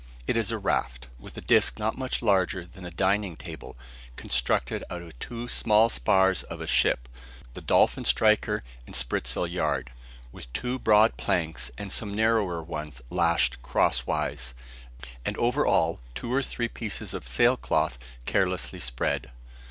It is a raft, with a disc not much larger than a dining table, constructed out of two small spars of a ship, the dolphin striker and spritsail yard, with two broad planks and some narrower ones lashed crosswise, and over all two or three pieces of sail cloth carelessly spread.